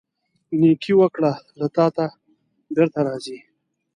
نیکۍ وکړه، له تا ته بیرته راځي.